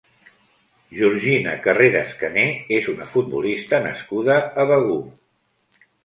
Georgina Carreras Caner és una futbolista nascuda a Begur.